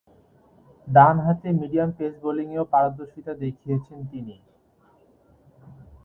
ডানহাতে medium pace বোলিংয়েও পারদর্শিতা দেখিয়েছেন তিনি।